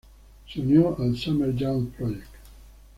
Se unió al "Summer Youth Project".